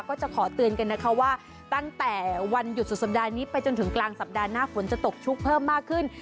ก็จะขอเตือนกันนะคะว่าตั้งแต่วันหยุดสุดสัปดาห์นี้ไปจนถึงกลางสัปดาห์หน้าฝนจะตกชุกเพิ่มมากขึ้น